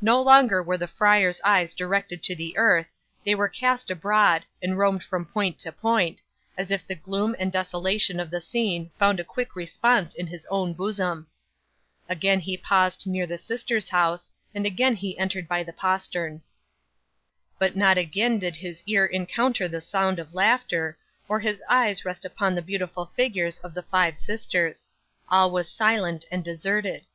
'No longer were the friar's eyes directed to the earth; they were cast abroad, and roamed from point to point, as if the gloom and desolation of the scene found a quick response in his own bosom. Again he paused near the sisters' house, and again he entered by the postern. 'But not again did his ear encounter the sound of laughter, or his eyes rest upon the beautiful figures of the five sisters. All was silent and deserted.